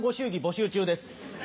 募集中です。